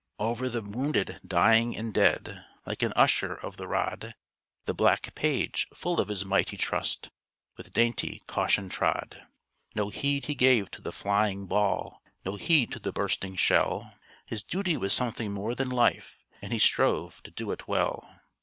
Over the wounded, dying, and dead, Like an usher of the rod, The black page, full of his mighty trust, With dainty caution trod. No heed he gave to the flying ball, No heed to the bursting shell; His duty was something more than life, And he strove to do it well.